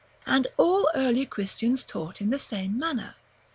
And all early Christians taught in the same manner.